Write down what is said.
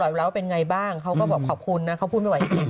แล้วเป็นไงบ้างเขาก็บอกขอบคุณนะเขาพูดไม่ไหวจริง